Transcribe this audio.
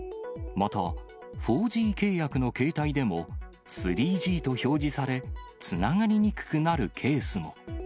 また、４Ｇ契約の携帯でも、３Ｇと表示され、つながりにくくなるケースも。